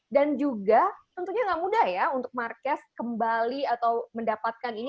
dan juga tentunya nggak mudah ya untuk mark marquez kembali atau mendapatkan ini